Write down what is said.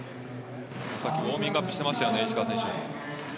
さっきウォーミングアップしてましたよね、石川選手。